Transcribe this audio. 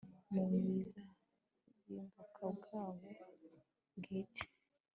mu bizarimbuza bwabo bwite